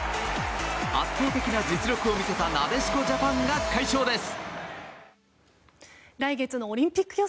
圧倒的な実力を見せたなでしこジャパンが快勝です。